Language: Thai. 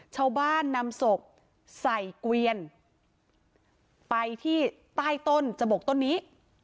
ชาวบ้านนำศพใส่เกวียนไปที่ใต้ต้นจบกต้นนี้